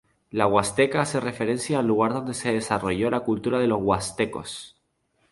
La Huasteca hace referencia al lugar donde se desarrolló la cultura de los Huastecos.